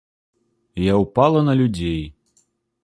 Я ўпала на людзей.